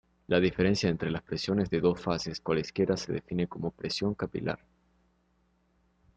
La diferencia entre las presiones de dos fases cualesquiera se define como presión capilar.